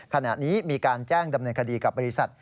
ขณะนี้มีการแจ้งดำเนินคดีกับบริษัท